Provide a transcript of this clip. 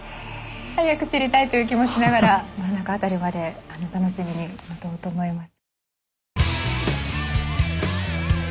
早く知りたいという気もしながら真ん中あたりまで楽しみに待とうと思います。